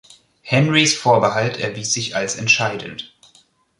Henrys Vorbehalt erwies sich als entscheidend.